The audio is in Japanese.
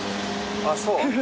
あっそう？